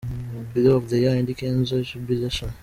Video Of The Year Eddy Kenzo – Jubilation.